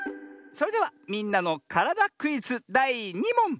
それでは「みんなのからだクイズ」だい２もん！